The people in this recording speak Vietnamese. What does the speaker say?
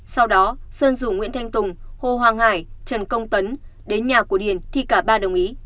sau đó sơn rủ nguyễn thanh tùng hồ hoàng hải trần công tấn đến nhà của điền thì cả ba đồng ý